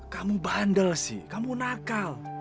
kamu bandel sih kamu nakal